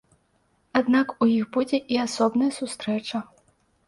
Аднак у іх будзе і асобная сустрэча.